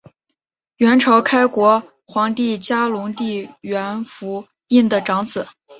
阮朝开国皇帝嘉隆帝阮福映的长子。